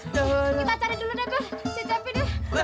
kita cari dulu deh ben